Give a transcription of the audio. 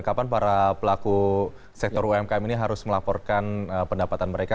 kapan para pelaku sektor umkm ini harus melaporkan pendapatan mereka